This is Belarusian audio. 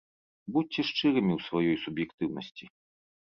Будзьце шчырымі ў сваёй суб'ектыўнасці.